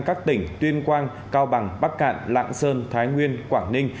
các tỉnh tuyên quang cao bằng bắc cạn lạng sơn thái nguyên quảng ninh